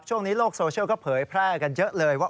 โลกโซเชียลก็เผยแพร่กันเยอะเลยว่า